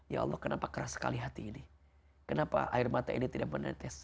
ya allah kenapa keras sekali hati ini kenapa air mata ini tidak menetes